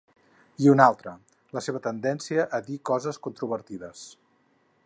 I una altra, la seva tendència a dir coses controvertides.